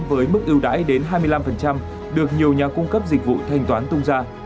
với mức ưu đãi đến hai mươi năm được nhiều nhà cung cấp dịch vụ thanh toán tung ra